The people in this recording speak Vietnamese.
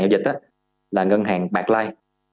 giao dịch đó là ngân hàng bạc lai